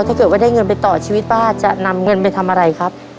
ถ้าเกิดว่าได้เงินไปต่อชีวิตป้าจะนำเงินไปทำอะไรครับ